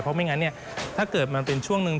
เพราะไม่งั้นเนี่ยถ้าเกิดมันเป็นช่วงหนึ่ง